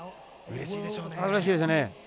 うれしいでしょうね。